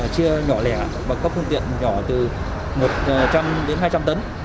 chia nhỏ lẻ và có phương tiện nhỏ từ một trăm linh đến hai trăm linh tấn